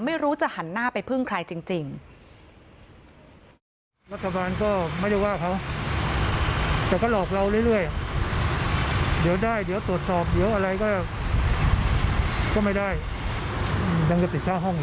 ไม่รู้จะหันหน้าไปพึ่งใครจริง